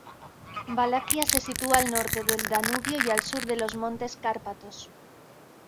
Valaquia se sitúa al norte del Danubio y al sur de los Montes Cárpatos.